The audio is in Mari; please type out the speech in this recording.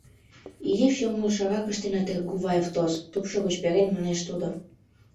— Изиш йоҥылышрак ыштенат, Эргуваев тос, — тупшо гыч перен, манеш тудо.